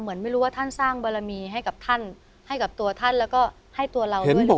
เหมือนไม่รู้ว่าท่านสร้างบารมีให้กับท่านให้กับตัวท่านแล้วก็ให้ตัวเราด้วยหรือเปล่า